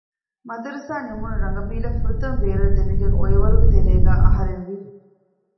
މަދުރަސާ ނިމުނު ރަނގަބީލަށް ފުރަތަމަ ބޭރަށް ދެމިގަތް އޮއިވަރުގެ ތެރޭގައި އަހަރެން ވި